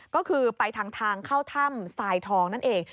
ก็คือไปทางทางเข้าถ้ำทรายทองนั่นเอง